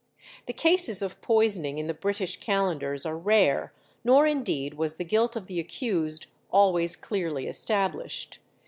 The cases of poisoning in the British calendars are rare, nor indeed was the guilt of the accused always clearly established.